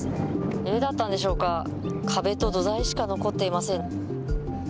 家だったんでしょうか、壁と土台しか残っていません。